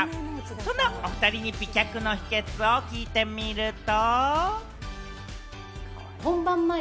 そんなおふたりに美脚の秘訣を聞いてみると。